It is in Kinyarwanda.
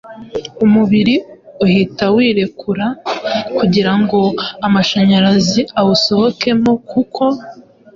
umubiri uhita wirekura kugira ngo amashanyazi awusohokemo kuko